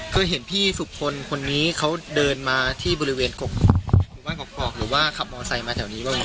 เคยเห็นพี่สุพลคนนี้เขาเดินมาที่บริเวณกกหมู่บ้านกอกหรือว่าขับมอไซค์มาแถวนี้บ้างไหม